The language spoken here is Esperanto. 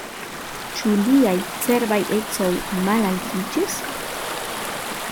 Ĉu liaj cerbaj ecoj malaltiĝis?